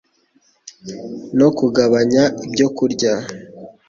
no kugabanya ibyo kurya